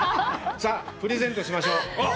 さあ、プレゼントしましょう。